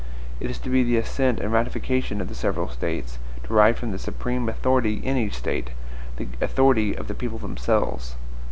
It is to be the assent and ratification of the several States, derived from the supreme authority in each State, the authority of the people themselves.